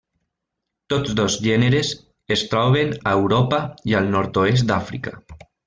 Tots dos gèneres es troben a Europa i al nord-oest d'Àfrica.